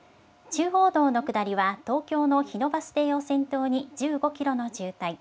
中央道の下りは東京の日野バス停を先頭に１５キロの渋滞。